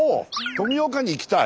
富岡に行きたい？